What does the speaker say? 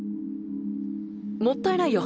もったいないよ